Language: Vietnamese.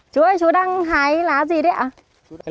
chú ơi chú đang hái lá gì đấy ạ